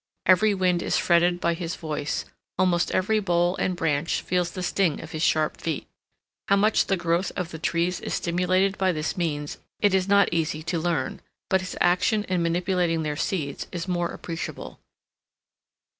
Every wind is fretted by his voice, almost every bole and branch feels the sting of his sharp feet. How much the growth of the trees is stimulated by this means it is not easy to learn, but his action in manipulating their seeds is more appreciable.